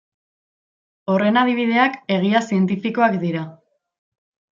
Horren adibideak egia zientifikoak dira.